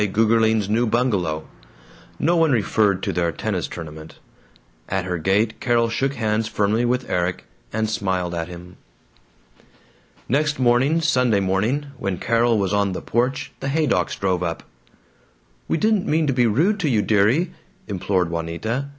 Gougerling's new bungalow. No one referred to their tennis tournament. At her gate Carol shook hands firmly with Erik and smiled at him. Next morning, Sunday morning, when Carol was on the porch, the Haydocks drove up. "We didn't mean to be rude to you, dearie!" implored Juanita.